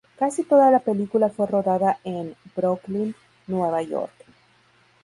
Casi toda la película fue rodada en Brooklyn, Nueva York.